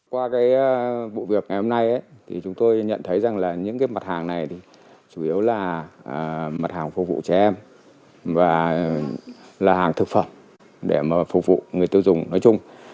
qua cái vụ việc ngày hôm nay thì chúng tôi nhận thấy rằng là những mặt hàng này thì chủ yếu là mặt hàng phục vụ trẻ em và là hàng thực phẩm để mà phục vụ người tiêu dùng nói chung